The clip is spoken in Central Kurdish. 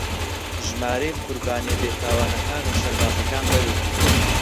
ژمارەی قوربانییە بێتاوانەکان و سەربازەکان بەرز بوویەوە